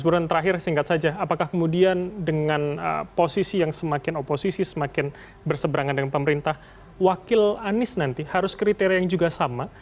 mas burhan terakhir singkat saja apakah kemudian dengan posisi yang semakin oposisi semakin berseberangan dengan pemerintah wakil anies nanti harus kriteria yang juga sama